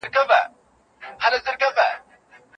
رنسانس د سياسي فکر په بيا راژوندي کولو کي مرسته وکړه.